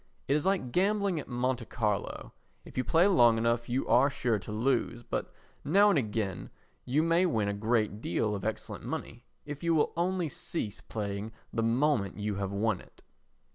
It is like gambling at Monte Carlo; if you play long enough you are sure to lose, but now and again you may win a great deal of excellent money if you will only cease playing the moment you have won it.